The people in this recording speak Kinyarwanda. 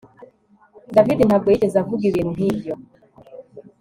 David ntabwo yigeze avuga ibintu nkibyo